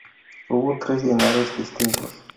Hubo tres dinares distintos.